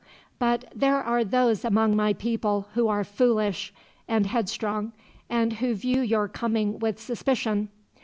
But there are those among my people who are foolish and headstrong, and who view your coming with suspicion.